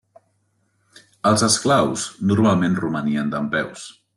Els esclaus normalment romanien dempeus.